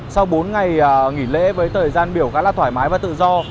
sau bốn ngày nghỉ lễ với thời gian biểu khá là thoải mái và tự do